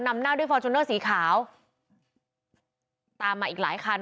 นำหน้าด้วยฟอร์จูเนอร์สีขาวตามมาอีกหลายคัน